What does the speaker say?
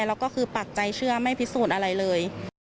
แล้วก็คือปักใจเชื่อไม่พิสูจน์อะไรเลย